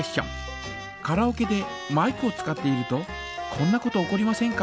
カラオケでマイクを使っているとこんなこと起こりませんか？